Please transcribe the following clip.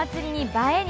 映えに！